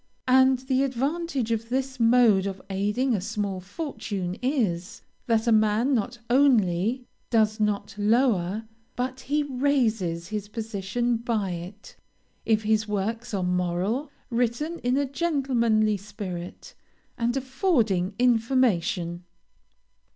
And the advantage of this mode of aiding a small fortune is, that a man not only does not lower, but he raises his position by it, if his works are moral, written in a gentlemanly spirit, and affording information.